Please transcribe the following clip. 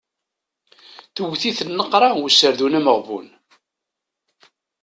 Tewwet-it nneqra userdun ameɣbun.